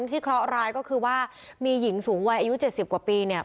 เคราะหร้ายก็คือว่ามีหญิงสูงวัยอายุ๗๐กว่าปีเนี่ย